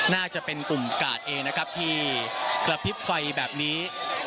น่าจะเป็นกลุ่มกาดเองนะครับที่กระพริบไฟแบบนี้